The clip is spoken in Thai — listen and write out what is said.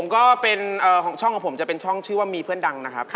ช่องของผมจะเป็นช่องชื่อว่ามีเพื่อนดังนะครับ